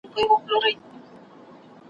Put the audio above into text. پر آسمان یې کرشمې د ده لیدلای `